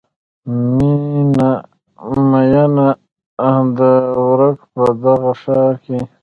میینه ده ورکه په دغه ښار کې